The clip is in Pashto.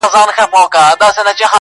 پیرمحمد په ملغلرو بار کاروان دی,